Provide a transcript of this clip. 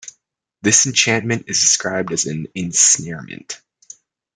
This enchantment is described as an "ensnarement".